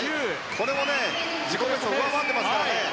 これも自己ベストを上回っていますからね。